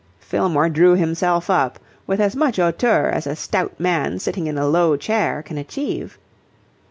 Fillmore drew himself up with as much hauteur as a stout man sitting in a low chair can achieve.